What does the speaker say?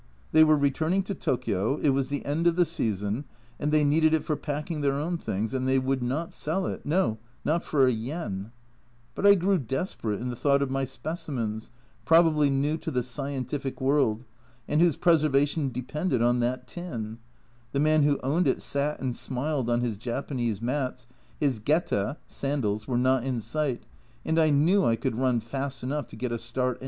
They were returning to Tokio, it was the end of the season, and they needed it for packing their own things, and they would not sell it no, not for a yen. But I grew desperate in the thought of my specimens, probably new to the scientific world, and whose preservation depended on that tin ; the man who owned it sat and smiled on his Japanese mats, his geta (sandals) were not in sight, and I knew I could run fast enough to get a start 1 An account of this has appeared in the Transactions of the Manchester Philosophical Society, 1909.